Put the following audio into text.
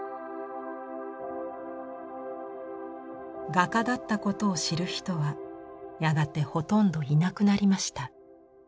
画家だったことを知る人はやがてほとんどいなくなりました。